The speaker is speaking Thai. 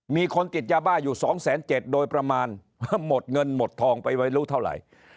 มีคนติดยาบ้าอยู่๒๗๐๐โดยประมาณหมดเงินหมดทองไปไว้รู้เท่าไหร่